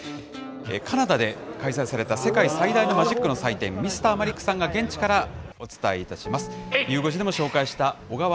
カナダで開催された世界最大のマジックの祭典、Ｍｒマリックさんが現地からお伝えいたします。